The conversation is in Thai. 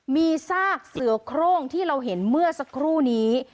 มีซากเสือโครงที่เราเห็นเมื่อสักครู่นี้